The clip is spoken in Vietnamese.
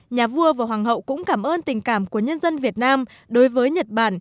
nhà vua và hoàng hậu cũng cảm ơn tình cảm của nhân dân việt nam đối với nhật bản